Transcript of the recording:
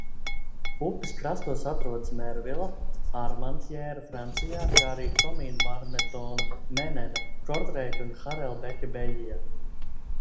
Upes krastos atrodas Mervila, Armantjēra Francijā, kā arī Komīnvarnetona, Menena, Kortreika un Harelbeke Beļģijā.